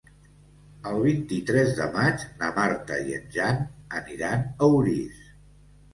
El vint-i-tres de maig na Marta i en Jan aniran a Orís.